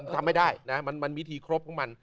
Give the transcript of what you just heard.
ทำไม่ได้นะมันมีวิธีครบของมัน